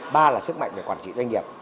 ba là sức mạnh về quản trị doanh nghiệp